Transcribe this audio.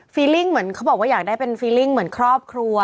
ลิ่งเหมือนเขาบอกว่าอยากได้เป็นฟีลิ่งเหมือนครอบครัว